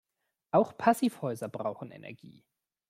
Auch Passivhäuser brauchen Energie.